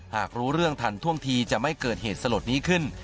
หากรู้เรื่องทันท่วงทีจะไม่เกิดเหตุสลดนี้ขึ้น